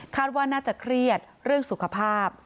ว่าน่าจะเครียดเรื่องสุขภาพ